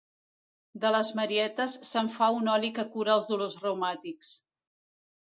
De les marietes se'n fa un oli que cura els dolors reumàtics.